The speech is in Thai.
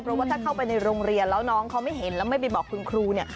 เพราะว่าถ้าเข้าไปในโรงเรียนแล้วน้องเขาไม่เห็นแล้วไม่ไปบอกคุณครูเนี่ย